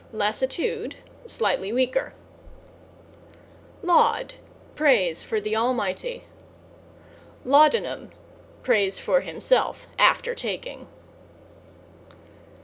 =LASSITUDE= Slightly weaker. =LAUD= Praise for the Almighty. =LAUDANUM= Prays for himself after taking.